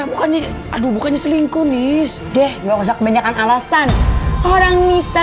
bukannya aduh bukannya selingkuh nis deh nggak usah kebanyakan alasan orang nisa